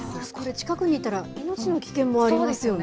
近くにいたら、命の危険もありますよね。